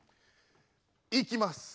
いきます。